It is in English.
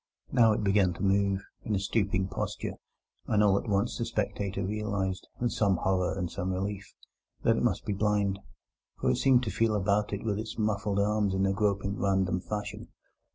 Now it began to move, in a stooping posture, and all at once the spectator realized, with some horror and some relief, that it must be blind, for it seemed to feel about it with its muffled arms in a groping and random fashion.